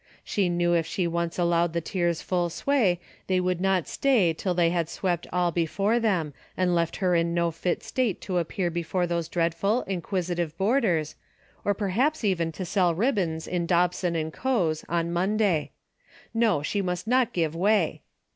She knew if she once allowed the tears full sway, they would not stay till they had swept all before them, and left her in no fit state to appear before those dreadful, inquisitive boarders, or perhaps even to sell ribbons in Dobson and Co.'s on Monday. Ho, she must not giv^e way.